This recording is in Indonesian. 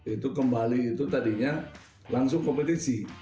itu kembali itu tadinya langsung kompetisi